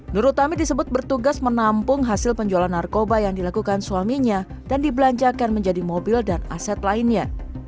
nur utami disebut bertugas menampung hasil penjualan narkoba yang dilakukan suaminya dan dibelanjakan menjadi mobil dan aset lainnya